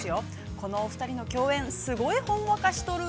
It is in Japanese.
このお二人の共演、すごいほんわか、しとる。